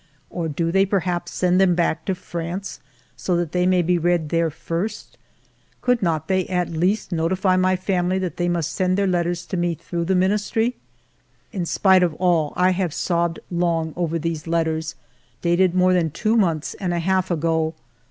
Or do they perhaps send them back to France, so that they may be read there first ? Could they not at least 'notify my family that they must send their letters to me through the Ministry ? In spite of all, I have sobbed long over these letters, dated more than two months and a half ago.